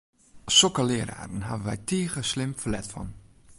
Sokke leararen hawwe wy tige slim ferlet fan!